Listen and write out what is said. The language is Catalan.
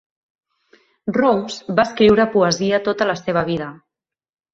Rowse va escriure poesia tota la seva vida.